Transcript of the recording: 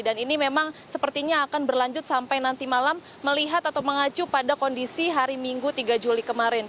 dan ini memang sepertinya akan berlanjut sampai nanti malam melihat atau mengacu pada kondisi hari minggu tiga juli